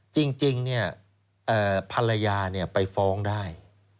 จริงเนี่ยภรรยาไปฟ้องได้